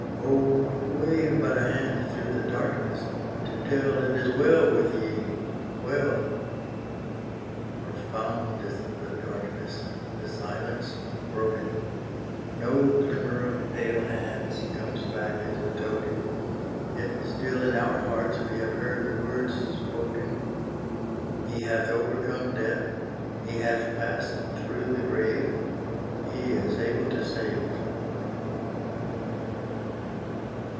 Oh, wave but a hand through the darkness, to tell It is well with ye well. Profound is the darkness the silence unbroken No glimmer of pale hands comes back as a token: Yet still in our hearts we have heard the words spoken: "He hath overcome death He hath passed through the grave He is able to save."